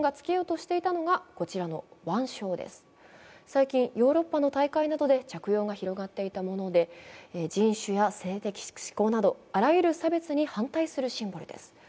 最近、ヨーロッパの大会などで着用が広がっていたもので、人種や性的指向などあらゆる差別に反対するシンボルです。